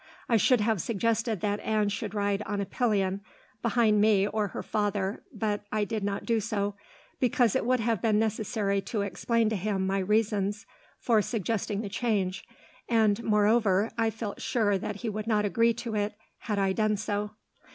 I should have suggested that Anne should ride on a pillion, behind me or her father, but I did not do so, because it would have been necessary to explain to him my reasons for suggesting the change; and, moreover, I felt sure that he would not agree to it, had I done so.